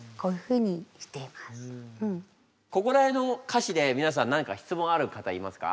ここら辺の歌詞で皆さん何か質問ある方いますか？